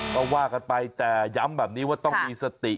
ก็ว่ากันไปแต่ย้ำแบบนี้ว่าต้องมีสติ